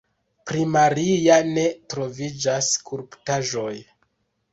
Pri Maria ne troviĝas skulptaĵoj.